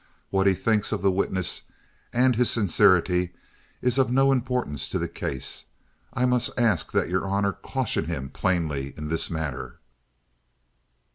What he thinks of the witness and his sincerity is of no importance in this case. I must ask that your honor caution him plainly in this matter."